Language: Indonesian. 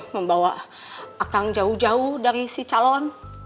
membawa akang jauh jauh dari si calon